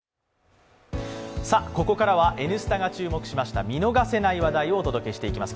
ここからは「Ｎスタ」が注目しました見逃せない話題を提供していきます。